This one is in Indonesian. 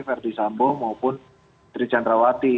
fendi sabo maupun diri chandrawati